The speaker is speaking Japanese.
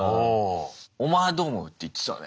「お前どう思う？」って言ってたね。